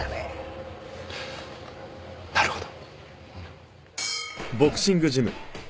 なるほど。